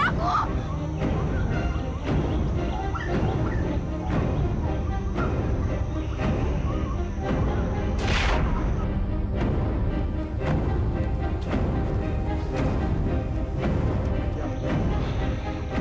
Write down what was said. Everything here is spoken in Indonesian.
jalan ini terbagi dua